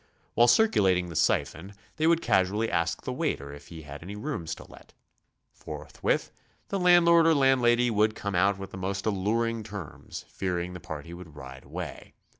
While circulating the siphon, they would casually ask the waiter if he had any rooms to let. Forthwith the landlord or landlady would come cut with the most alluring terms, fearing the party would ride away.